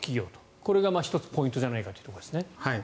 これが１つポイントじゃないかというところですね。